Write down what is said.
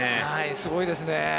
すごいですね。